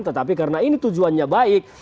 tetapi karena ini tujuannya baik